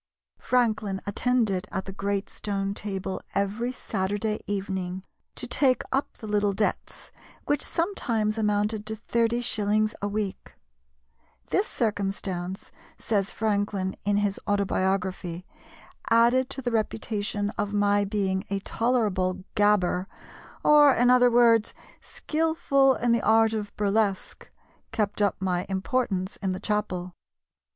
Franklin attended at the great stone table every Saturday evening to take up the little debts, which sometimes amounted to thirty shillings a week. "This circumstance," says Franklin in his autobiography, "added to the reputation of my being a tolerable gabber or, in other words, skilful in the art of burlesque kept up my importance in the 'chapel.